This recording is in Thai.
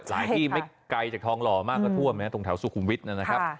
หลายที่ไม่ไกลจากทองหล่อมากก็ท่วมตรงแถวสุขุมวิทย์นะครับ